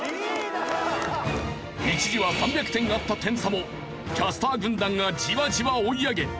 一時は３００点あった点差もキャスター軍団がじわじわ追い上げ